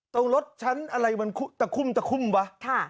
ตรงรถชั้นอะไรมันคุตะคุ่มตะคุ่มวะค่ะ